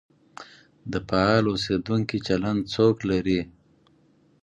د فعال اوسېدنې چلند څوک لري؟